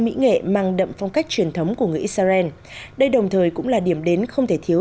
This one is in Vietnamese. mỹ nghệ mang đậm phong cách truyền thống của người israel đây đồng thời cũng là điểm đến không thể thiếu